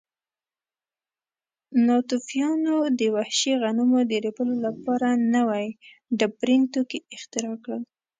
ناتوفیانو د وحشي غنمو د ریبلو لپاره نوي ډبرین توکي اختراع کړل.